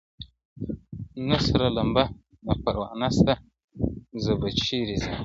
نه سره لمبه، نه پروانه سته زه به چیري ځمه؛